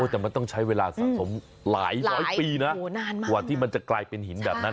แต่มันต้องใช้เวลาสะสมหลายร้อยปีนะกว่าที่มันจะกลายเป็นหินแบบนั้น